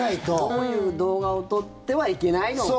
どういう動画を撮ってはいけないのか。